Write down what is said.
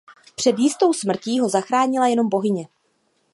Před jistou smrtí ho zachránila jenom bohyně.